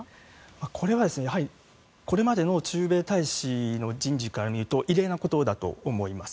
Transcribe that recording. これはやはりこれまでの駐米大使の人事からみると異例なことだと思います。